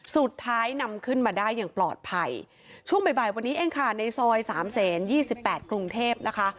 สุดท้ายนำขึ้นมาได้อย่างปลอดภัยช่วงบ่ายวันนี้เองค่ะในซอยสามเศษยี่สิบแปดกรุงเทพนะคะ